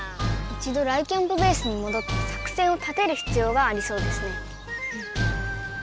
一度雷キャんぷベースにもどって作戦を立てるひつようがありそうですね。